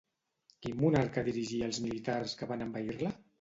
Quin monarca dirigia els militars que van envair-la?